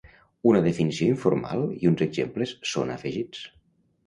Una definició informal i uns exemples són afegits.